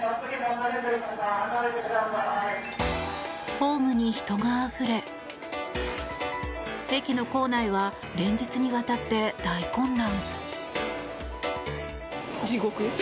ホームに人があふれ駅の構内は連日にわたって大混乱。